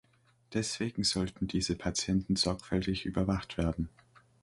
Deswegen sollten diese Patienten sorgfältig überwacht werden.